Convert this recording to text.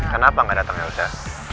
kenapa gak dateng elsa